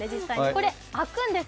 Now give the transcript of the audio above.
これ開くんです。